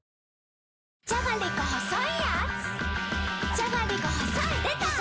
じゃがりこ細いやーつ